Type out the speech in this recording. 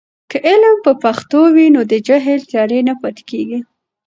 که علم په پښتو وي، نو د جهل تیارې نه پاتې کېږي.